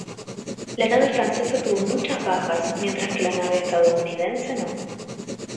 La nave francesa tuvo muchas bajas mientras que la nave estadounidense no.